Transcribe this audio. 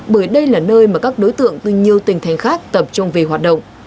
bởi đây là nơi mà các đối tượng từ nhiều tỉnh thành khác tập trung về hoạt động